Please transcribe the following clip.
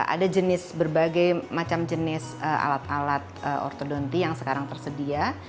ada jenis berbagai macam jenis alat alat ortodonti yang sekarang tersedia